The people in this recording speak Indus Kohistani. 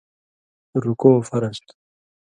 رُکوع فرض تھو۔